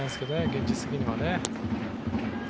現実的にはね。